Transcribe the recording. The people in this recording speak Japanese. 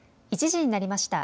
１時になりました。